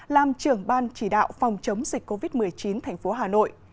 làm trưởng ban chỉ đạo phòng chống dịch covid một mươi chín tp hà nội